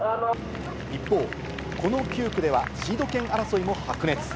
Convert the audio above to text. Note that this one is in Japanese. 一方、この９区ではシード権争いも白熱。